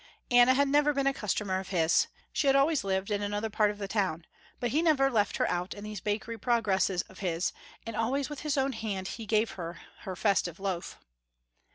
Anna had never been a customer of his. She had always lived in another part of the town, but he never left her out in these bakery progresses of his, and always with his own hand he gave her her festive loaf.